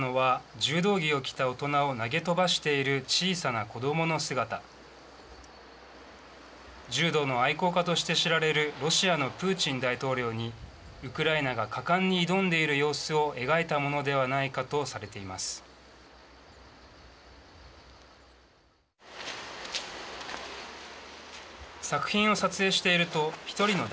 柔道の愛好家として知られるロシアのプーチン大統領にウクライナが果敢に挑んでいる様子を描いたものではないかとされています。